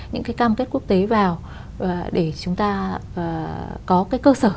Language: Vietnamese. những cái cam kết quốc tế vào để chúng ta có cái cơ sở